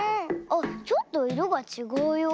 あっちょっといろがちがうよほら。